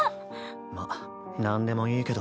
まっなんでもいいけど。